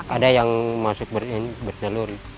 ada yang masuk bertelur